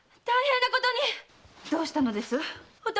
どうしたのです？